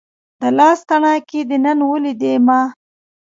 د لاس تڼاکې دې نن ولیدې ما